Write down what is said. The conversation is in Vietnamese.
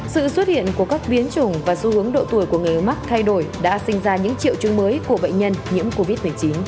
sự xuất hiện của các biến chủng và xu hướng độ tuổi của người mắc thay đổi đã sinh ra những triệu chứng mới của bệnh nhân nhiễm covid một mươi chín